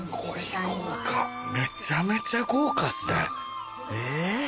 めちゃめちゃ豪華っすね。え？